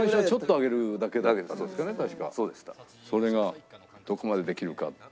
それがどこまでできるかって。